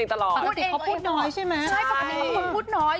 เพราะพูดน้อยใช่มั้ย